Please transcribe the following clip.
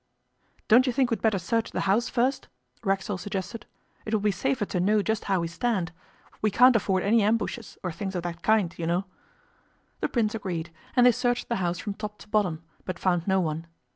'Don't you think we'd better search the house first?' Racksole suggested; 'it will be safer to know just how we stand. We can't afford any ambushes or things of that kind, you know.' The Prince agreed, and they searched the house from top to bottom, but found no one.